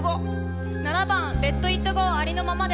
７番「レット・イット・ゴーありのままで」。